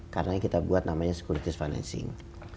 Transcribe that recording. karena kita buat namanya securities financing